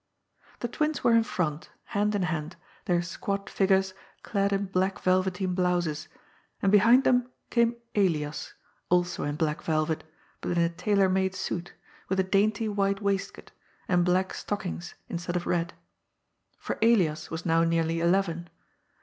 The twins were in front, hand in hand, their squat figures clad in black velveteen blouses, and behind them came Elias, alsonn black velvet, but in a tailor made suit, with a dainty white waistcoat, and black stockings instead of red. For Elias was now nearly eleven.